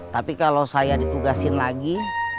tapi kalau saya ditugasin lagi